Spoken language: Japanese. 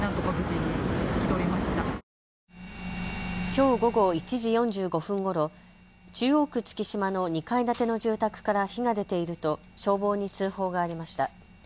きょう午後１時４５分ごろ、中央区月島の２階建ての住宅から火が出ていると消防に通報がありました。